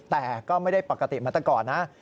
แต่ก็ไม่ได้ปกติเหมือนแต่ก่อนนะ